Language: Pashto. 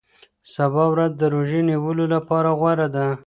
سبا ورځ د روژې نیولو لپاره غوره ده.